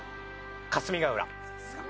霞ヶ浦。